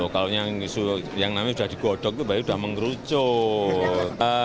kalau yang sudah digodok itu baru sudah mengerucut